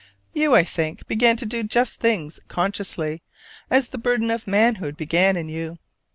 You, I think, began to do just things consciously, as the burden of manhood began in you.